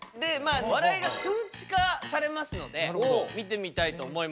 笑いが数値化されますので見てみたいと思います。